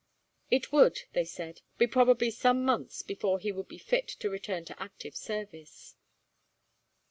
"It would," they said, "be probably some months before he would be fit to return to active service."